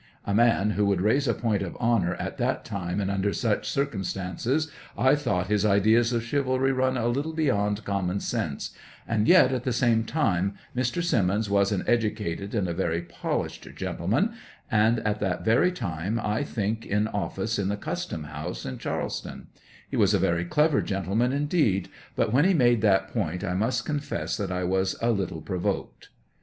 A man who would raise a point of honor at that time and under such circumstances, I thought his ideas of chivalry run a little beyond common sense, and yet, at the same time, Mr. Simmons was an educat ed and a very polished gentleman, and at that very time, I think, in ofSce in the Custom House, in Charleston ; he was a very clever gentleman, indeed, but when he made that point I must confess that I was a little pro voked.